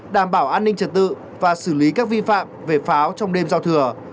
đảm bảo an ninh trật tự và xử lý các vi phạm về pháo trong đêm giao thừa